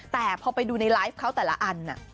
แต่พอไปดูในไลฟ์เขาแต่ละอัน